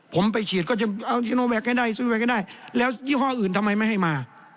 ผมไปฉีดก็จะเอาชิโนแวคให้ได้ซื้อแก๊ก็ได้แล้วยี่ห้ออื่นทำไมไม่ให้มา